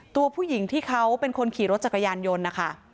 ตัวผู้หญิงที่เขาเป็นคนขี่รถจักรยานยนต์นะคะ